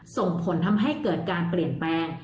ส่งผลทำให้เกิดการเปลี่ยนแปลง